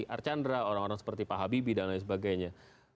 archandra orang orang seperti pak habibie dan lain sebagainya